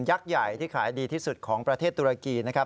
ใหญ่ที่ขายดีที่สุดของประเทศตุรกีนะครับ